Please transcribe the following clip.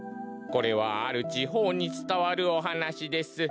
これはあるちほうにつたわるおはなしです。